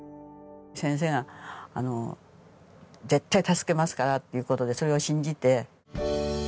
先生が「絶対助けますから」という事でそれを信じて。